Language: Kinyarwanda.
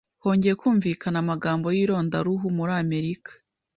hongeye kumvikana amagambo y’irondaruhu muri Amerika